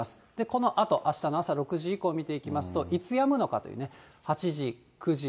このあと、あしたの朝６時以降を見ていきますと、いつやむのかというね。